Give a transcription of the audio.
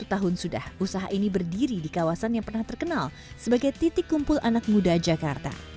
sepuluh tahun sudah usaha ini berdiri di kawasan yang pernah terkenal sebagai titik kumpul anak muda jakarta